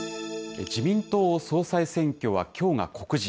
自民党総裁選挙はきょうが告示。